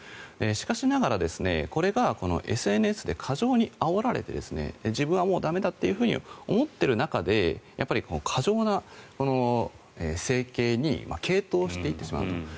しかしながら、これがＳＮＳで過剰にあおられて自分はもう駄目だと思っている中で過剰な整形に傾倒していってしまう。